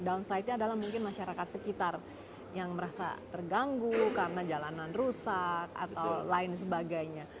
downside nya adalah mungkin masyarakat sekitar yang merasa terganggu karena jalanan rusak atau lain sebagainya